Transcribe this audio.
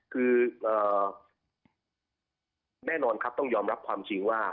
คือแน่นอนครับต้องยอมรับความจริงว่า